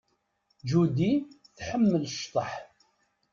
Judy tḥemmel cḍeḥ.